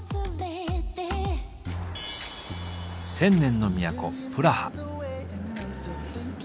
千年の都プラハ。